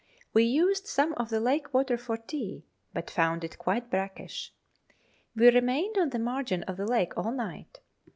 We used some of the lake water for tea, but found it quite brackish. We remained on the margin of the lake all night.